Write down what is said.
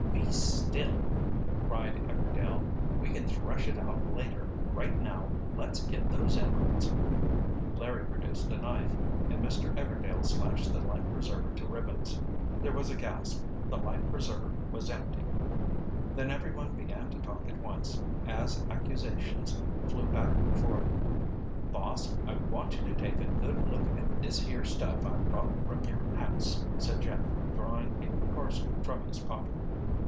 "Be still," cried Everdail. "We can thresh it out later. Right now let's get those emeralds." Larry produced a knife, and Mr. Everdail slashed the life preserver to ribbons. There was a gasp. The life preserver was empty. Then everyone began to talk at once, as accusations flew back and forth. "Boss, I want you to take a look at this here stuff I brought from your house," said Jeff, drawing a parcel from his pocket.